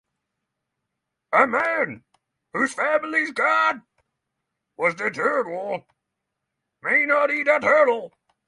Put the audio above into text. A man whose family god was the turtle may not eat a turtle.